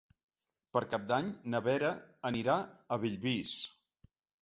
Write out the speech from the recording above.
Per Cap d'Any na Vera anirà a Bellvís.